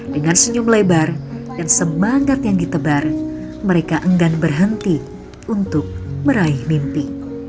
dengan senyum lebar dan semangat yang ditebar mereka enggan berhenti untuk meraih mimpi